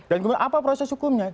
dan kemudian apa proses hukumnya